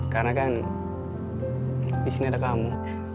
karena kan disini ada kamu